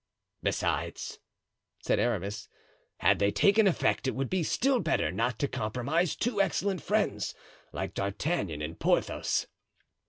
"Besides," said Aramis, "had they taken effect it would be still better not to compromise two excellent friends like D'Artagnan and Porthos.